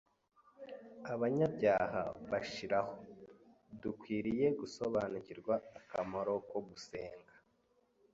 abanyabyaha bashiraho, dukwiriye gusobanukirwa akamaro ko gusenga